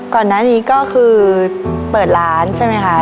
ก่อนหน้านี้ก็คือเปิดร้านใช่ไหมคะ